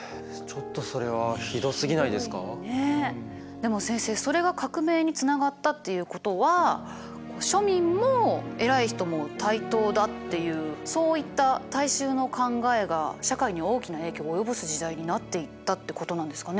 でも先生それが革命につながったっていうことは庶民も偉い人も対等だっていうそういった大衆の考えが社会に大きな影響を及ぼす時代になっていったってことなんですかね？